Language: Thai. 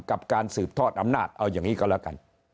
กับการสืบทอดอำนาจเอาอย่างนี้ก็แล้วกัน